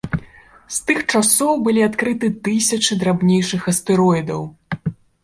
З тых часоў былі адкрыты тысячы драбнейшых астэроідаў.